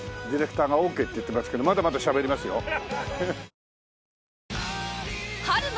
ディレクターがオーケーって言ってますけどまだまだしゃべりますよ。